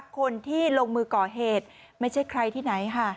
คนที่ลงมือก่อเหตุไม่ใช่ใครที่ไหนค่ะ